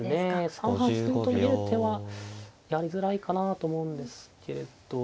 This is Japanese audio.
３八銀と逃げる手はやりづらいかなと思うんですけれど。